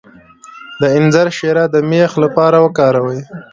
د انځر شیره د میخ لپاره وکاروئ